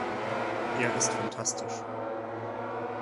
Er ist phantastisch.